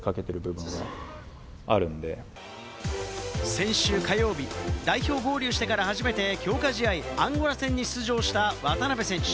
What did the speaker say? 先週火曜日、代表合流してから初めて強化試合、アンゴラ戦に出場した渡邊選手。